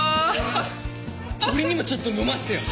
俺にもちょっと飲ませてよ。